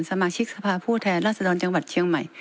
สมาชิกสภาพผู้แทนราษฎรจังหวัดเชียงใหม่